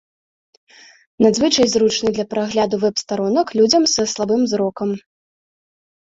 Надзвычай зручны для прагляду вэб-старонак людзям са слабым зрокам.